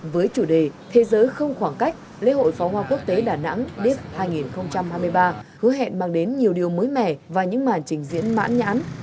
với chủ đề thế giới không khoảng cách lễ hội pháo hoa quốc tế đà nẵng daep hai nghìn hai mươi ba hứa hẹn mang đến nhiều điều mới mẻ và những màn trình diễn mãn nhãn